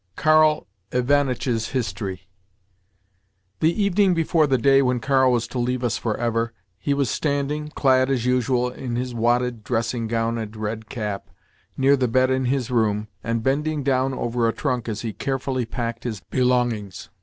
KARL IVANITCH'S HISTORY Thw evening before the day when Karl was to leave us for ever, he was standing (clad, as usual, in his wadded dressing gown and red cap) near the bed in his room, and bending down over a trunk as he carefully packed his belongings.